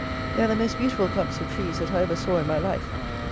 They are the most beautiful clumps of trees that I ever saw in my life.